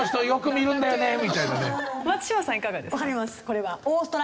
これは。と？